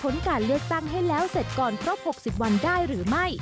การเลือกตั้งให้แล้วเสร็จก่อนครบ๖๐วันได้หรือไม่